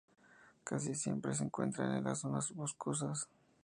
Casi siempre se encuentran en las zonas boscosas.